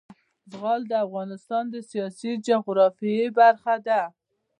زغال د افغانستان د سیاسي جغرافیه برخه ده.